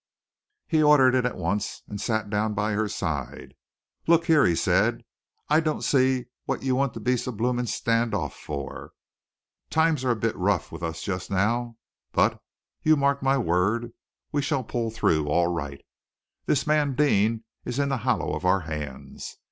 He ordered it at once, and sat down by her side. "Look here," he said, "I don't see what you want to be so blooming stand off for. Times are a bit rough with us just now, but, you mark my word, we shall pull through all right. This man Deane is in the hollow of our hands.